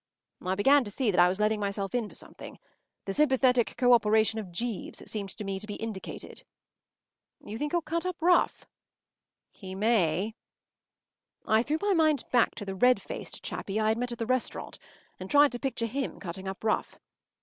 ” I began to see that I was letting myself in for something. The sympathetic co operation of Jeeves seemed to me to be indicated. “You think he’ll cut up rough?” “He may.” I threw my mind back to the red faced chappie I had met at the restaurant, and tried to picture him cutting up rough.